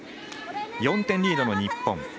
４点リードの日本。